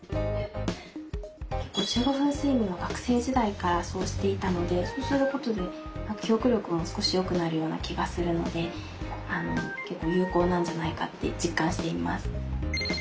１５分睡眠は学生時代からそうしていたのでそうすることで記憶力も少し良くなるような気がするので有効なんじゃないかって実感しています。